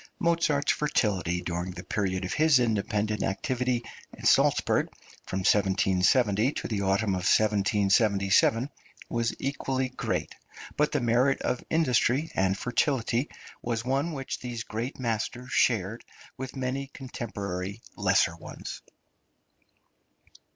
Mozart's fertility during the period of his independent activity at Salzburg, from 1770 to the autumn of 1777, was equally great, but the merit of industry and fertility was one which these great masters shared with many contemporary lesser ones.